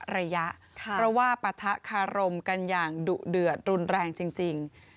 ระยะเพราะว่าปะทะคารมกันอย่างดุเดือดรุนแรงจริง